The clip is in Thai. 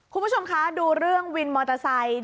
คุณผู้ชมคะดูเรื่องวินมอเตอร์ไซค์